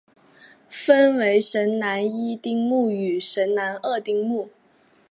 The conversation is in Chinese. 分为神南一丁目与神南二丁目。